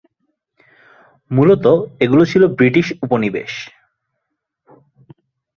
মূলত এগুলো ছিল ব্রিটিশ উপনিবেশ।